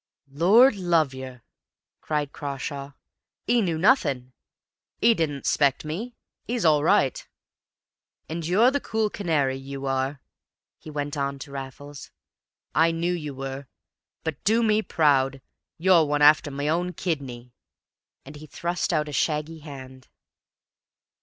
"Lord love yer," cried Crawshay, "'e knew nothin'. 'E didn't expect me; 'e'S all right. And you're the cool canary, you are," he went on to Raffles. "I knoo you were, but, do me proud, you're one after my own kidney!" And he thrust out a shaggy hand.